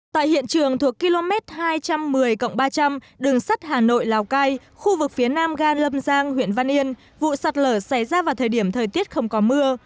tại hiện trường thuộc km hai trăm một mươi ba trăm linh đường sắt hà nội lào cai khu vực phía nam ga lâm giang huyện văn yên vụ sạt lở xảy ra vào thời điểm thời tiết không có mưa